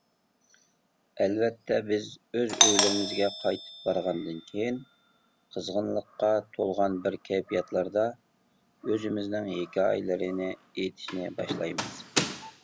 ئەلۋەتتە بىز ئۆز ئۆيلىرىمىزگە قايتىپ بارغاندىن كېيىن قىزغىنلىققا تولغان بىر كەيپىياتلاردا ئۆزىمىزنىڭ ھېكايىلىرىنى ئېيتىشنى باشلايمىز.